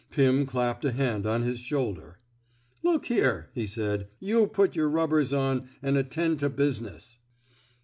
Pim clapped a hand on his shoulder. Look here/' he said, you put yer rub bers on an' atten' to business."